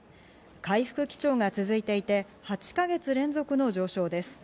回復基調が続いていて、８か月連続の上昇です。